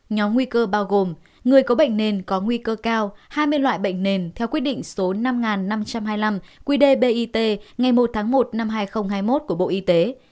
nhóm nguy cơ bao gồm người có bệnh nền có nguy cơ cao hai mươi loại bệnh nền theo quyết định số năm năm trăm hai mươi năm qdbit ngày một tháng một năm hai nghìn hai mươi một của bộ y tế